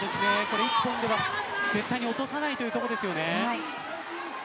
１本では絶対に落とさないということですよね。